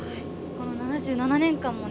この７７年間もね